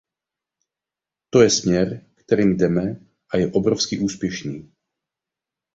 To je směr, kterým jdeme, a je obrovsky úspěšný.